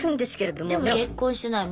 でも結婚してないもんね。